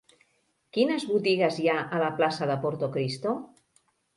Quines botigues hi ha a la plaça de Portocristo?